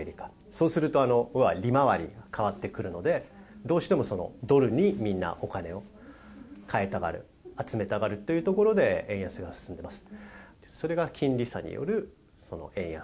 そうすると利回りが変わってくるのでどうしてもドルにみんな、お金を替えたがる集めたがるというところで円安が進んでいます。